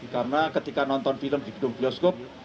karena ketika nonton film di gedung bioskop